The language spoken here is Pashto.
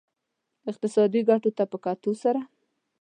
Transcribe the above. اقتصادي ګټو ته په کتلو سره.